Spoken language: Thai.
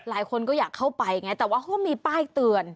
หลายคนก็อยากเข้าไปไงแต่ว่าเขาก็มีป้ายเตือน